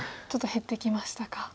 ちょっと減ってきましたか。